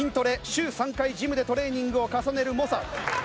週３回ジムでトレーニングを重ねる猛者。